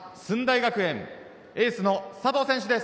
学園エースの佐藤選手です。